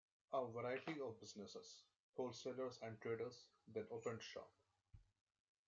A variety of businesses: wholesalers and traders, then opened shop.